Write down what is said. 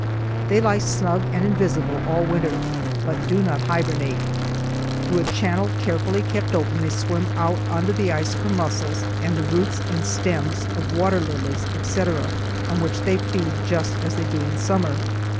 They lie snug and invisible all winter but do not hibernate. Through a channel carefully kept open they swim out under the ice for mussels, and the roots and stems of water lilies, etc., on which they feed just as they do in summer.